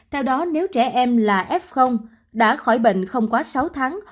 theo đó nếu trẻ em là f đã khỏi bệnh không quá sáu tháng